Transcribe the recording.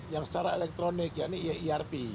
yang secara elektronik yakni ierp